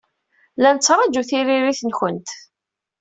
La nettṛaju tiririt-nwent.